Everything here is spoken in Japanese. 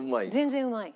全然うまい。